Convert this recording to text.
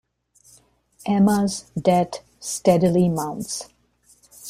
Emma's debt steadily mounts.